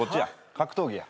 格闘技や。